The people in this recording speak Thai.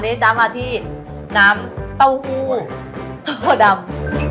ติดตามมาที่น้ำเต้าหู้ถั่วดำ